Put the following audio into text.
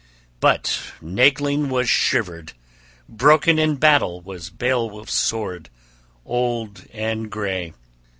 But Naegling {34e} was shivered, broken in battle was Beowulf's sword, old and gray.